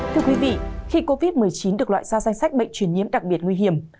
thưa quý vị khi covid một mươi chín được loại ra danh sách bệnh truyền nhiễm đặc biệt nguy hiểm